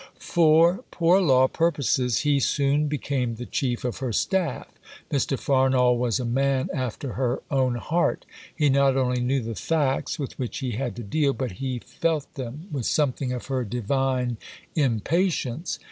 For Poor Law purposes he soon became the Chief of her Staff. Mr. Farnall was a man after her own heart. He not only knew the facts with which he had to deal, but he felt them, with something of her "divine impatience."